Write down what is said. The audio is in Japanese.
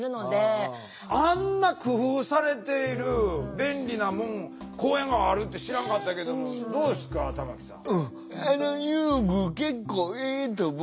あんな工夫されている便利な公園があるって知らんかったけどもどうですか玉木さん。